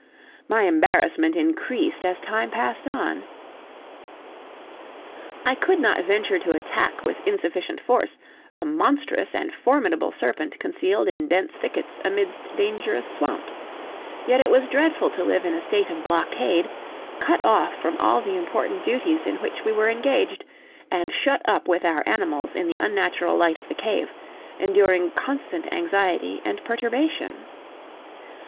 My embarrassment increased, as time passed on. I could not venture to attack with insufficient force a monstrous and formidable serpent concealed in dense thickets amidst dangerous swamps; yet it was dreadful to live in a state of blockade, cut off from all the important duties in which we were engaged, and shut up with our animals in the unnatural light of the cave, enduring constant anxiety and perturbation.